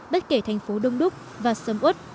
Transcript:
bất kể thành phố đông đúc và sâm út